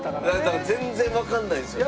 だから全然わからないんですよね。